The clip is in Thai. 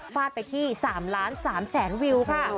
ฝาดไปที่สามล้านสามแสนวิวค่ะ